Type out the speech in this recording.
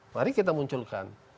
mari kita munculkan